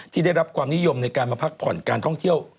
ได้รับความนิยมในการมาพักผ่อนการท่องเที่ยว